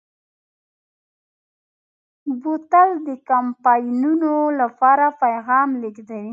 بوتل د کمپاینونو لپاره پیغام لېږدوي.